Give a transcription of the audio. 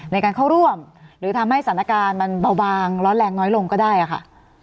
ในการเข้าร่วมหรือทำให้สถานการณ์มันเบาบางร้อนแรงน้อยลงก็ได้ค่ะ